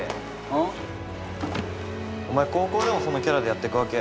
ん？お前高校でもそのキャラでやってくわけ？